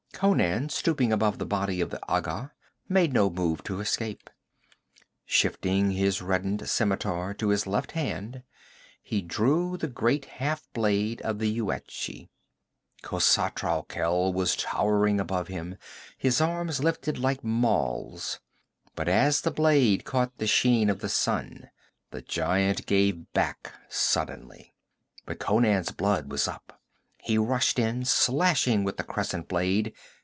Conan, stooping above the body of the Agha, made no move to escape. Shifting his reddened scimitar to his left hand, he drew the great half blade of the Yuetshi. Khosatral Khel was towering above him, his arms lifted like mauls, but as the blade caught the sheen of the sun, the giant gave back suddenly. But Conan's blood was up. He rushed in, slashing with the crescent blade.